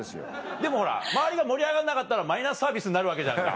でも周りが盛り上がんなかったらマイナスサービスになるわけじゃんか。